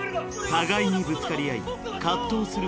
互いにぶつかり合い葛藤する